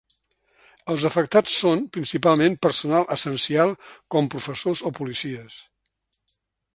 Els afectats són, principalment, personal essencial com professors o policies.